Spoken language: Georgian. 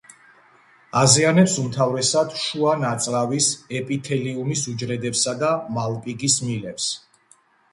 აზიანებს უმთავრესად შუა ნაწლავის ეპითელიუმის უჯრედებსა და მალპიგის მილებს.